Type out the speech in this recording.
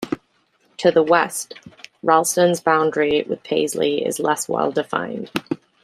To the west, Ralston's boundary with Paisley is less well-defined.